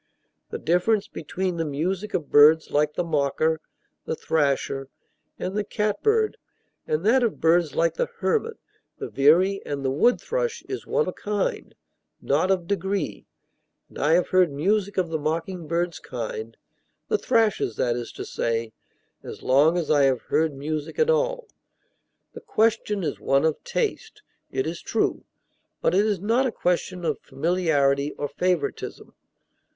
The difference between the music of birds like the mocker, the thrasher, and the catbird and that of birds like the hermit, the veery, and the wood thrush is one of kind, not of degree; and I have heard music of the mocking bird's kind (the thrasher's, that is to say) as long as I have heard music at all. The question is one of taste, it is true; but it is not a question of familiarity or favoritism.